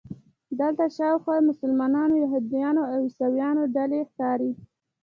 دلته شاوخوا د مسلمانانو، یهودانو او عیسویانو ډلې ښکاري.